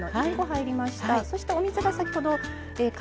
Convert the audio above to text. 入りました。